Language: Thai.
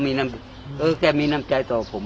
ครับเขามีน้ำใจต่อผม